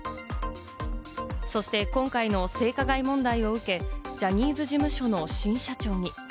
そして、今回の性加害問題を受け、ジャニーズ事務所の新社長に。